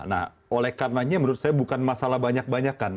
nah oleh karenanya menurut saya bukan masalah banyak banyakan